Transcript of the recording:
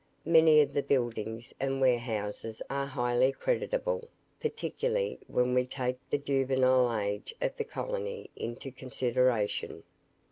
Many of the buildings and warehouses are highly creditable, particularly when we take the juvenile age of the colony into consideration.